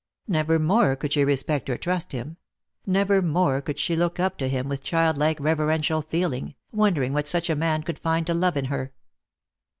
Never more could she respect or trust him ; never more could she look up to him with childlike reverential feeling, wondering what such a man could find to love in her.